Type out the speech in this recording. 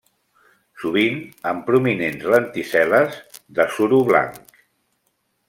Sovint amb prominents, lenticel·les de suro blanc.